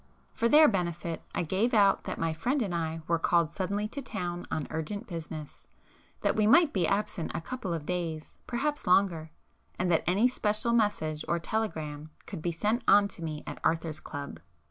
For their benefit, I gave out that my friend and I were called suddenly to town on urgent business,—that we might be absent a couple of days, perhaps longer,—and that any special message or telegram could be sent on to me at Arthur's Club.